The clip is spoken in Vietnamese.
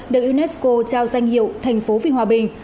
được unesco trao danh hiệu thành phố vinh hòa bình